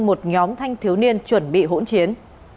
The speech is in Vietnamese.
một nhóm thanh thiếu niên chuẩn bị hỗn chiến